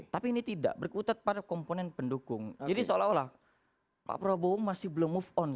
tapi ini tidak berkutat pada komponen pendukung jadi seolah olah pak prabowo masih belum move on